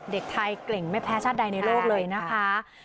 เด็กไทยเก่งไม่แพ้ชาติใดในโลกเลยนะคะ